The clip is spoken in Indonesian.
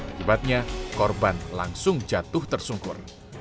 akibatnya korban langsung jatuh tersungkur